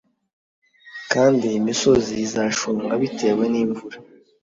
kandi imisozi izashonga bitewe n’imvura